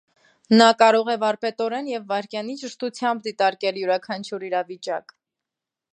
Նա կարող է վարպետորեն և վայրկյանի ճշտությամբ դիտարկել յուրաքանչյուր իրավիճակ։